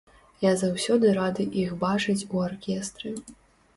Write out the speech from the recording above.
Я заўсёды рады іх бачыць у аркестры.